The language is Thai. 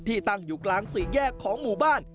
ตั้งอยู่กลางสี่แยกของหมู่บ้าน